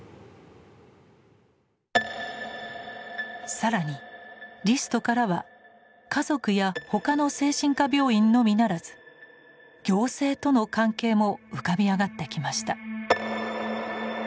更にリストからは家族や他の精神科病院のみならず行政との関係も浮かび上がってきました。